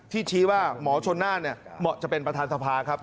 ชี้ว่าหมอชนน่านเหมาะจะเป็นประธานสภาครับ